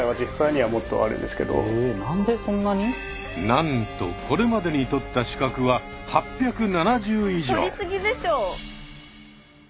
なんとこれまでに取った資格は８７０以上。